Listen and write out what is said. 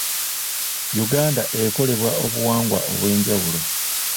Uganda ekolebwa obuwangwa obw'enjawulo.